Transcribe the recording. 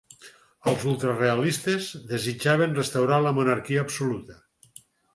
Els ultrareialistes desitjaven restaurar la monarquia absoluta.